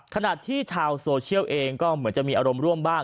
ขณะที่ชาวโซเชียลเองก็เหมือนจะมีอารมณ์ร่วมบ้าง